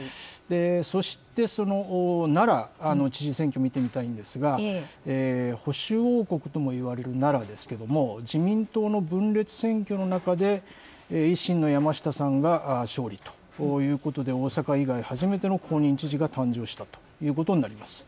そして、奈良の知事選挙を見てみたいんですが、保守王国ともいわれる奈良ですけれども、自民党の分裂選挙の中で、維新の山下さんが勝利ということで、大阪以外、初めての公認知事が誕生したということになります。